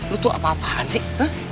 lu tuh apa apaan sih